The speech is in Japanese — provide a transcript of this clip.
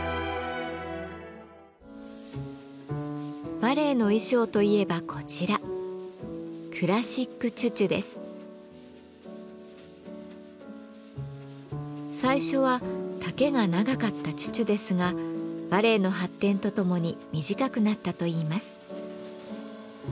バレエの衣装といえばこちら最初は丈が長かったチュチュですがバレエの発展とともに短くなったといいます。